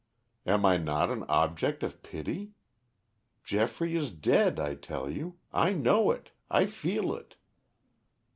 Am I not an object of pity? Geoffrey is dead, I tell you; I know it, I feel it.